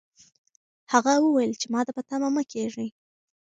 هغه وویل چې ماته په تمه مه کېږئ.